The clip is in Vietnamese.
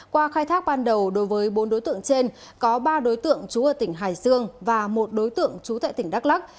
qua khai thác ban đầu đối với bốn đối tượng trên có ba đối tượng trú ở tỉnh hải dương và một đối tượng trú tại tỉnh đắk lắc